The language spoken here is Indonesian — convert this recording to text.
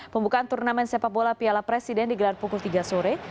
pembukaan turnamen sepak bola piala presiden digelar pukul tiga sore